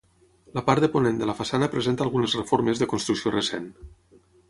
La part de ponent de la façana presenta algunes reformes de construcció recent.